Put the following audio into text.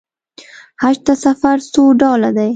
حج ته سفر څو ډوله دی.